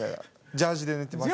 ジャージーで寝てます。